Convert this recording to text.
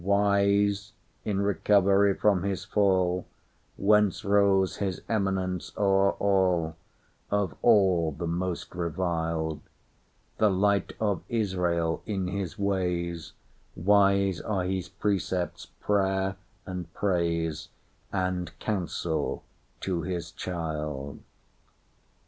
Wise—in recovery from his fall, Whence rose his eminence o'er all, Of all the most reviled; The light of Israel in his ways, Wise are his precepts, prayer, and praise, And counsel to his child.